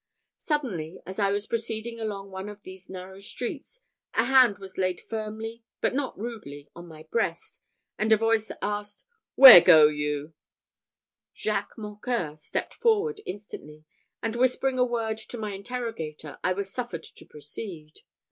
Suddenly, as I was proceeding along one of these narrow streets, a hand was laid firmly, but not rudely, on my breast; and a voice asked, "Where go ye?" Jacques Mocqueur stepped forward instantly, and whispering a word to my interrogator, I was suffered to proceed.